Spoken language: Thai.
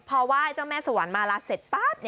พอไหว้เจ้าแม่สวรรค์มาลาเสร็จปั๊บ